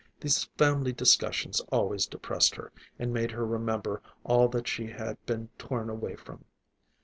These family discussions always depressed her, and made her remember all that she had been torn away from.